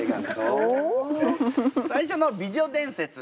最初の美女伝説こちら！